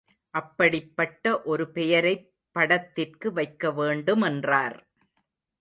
அப்படிப்பட்ட ஒரு பெயரைப் படத்திற்கு வைக்கவேண்டுமென்றார்.